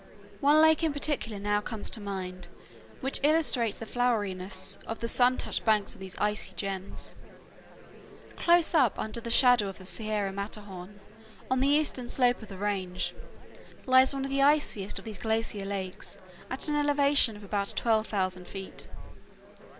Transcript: One lake in particular now comes to mind which illustrates the floweriness of the sun touched banks of these icy gems. Close up under the shadow of the Sierra Matterhorn, on the eastern slope of the range, lies one of the iciest of these glacier lakes at an elevation of about 12,000 feet.